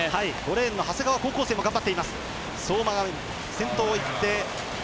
５レーンの長谷川高校生も頑張っている。